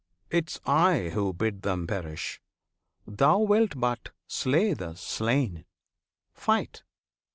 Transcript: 'Tis I who bid them perish! Thou wilt but slay the slain; Fight!